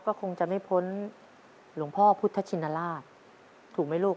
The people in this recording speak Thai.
ก็คงจะไม่พ้นหลวงพ่อพุทธชินราชถูกไหมลูก